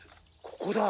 ここだ。